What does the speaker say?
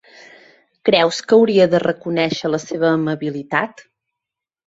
Creus que hauria de reconèixer la seva amabilitat?